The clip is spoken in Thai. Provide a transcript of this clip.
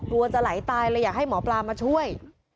กลัวจะไหลตายเลยอยากให้หมอปลามาช่วย